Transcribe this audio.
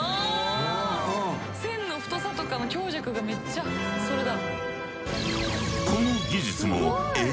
線の太さとかの強弱がめっちゃそれだ。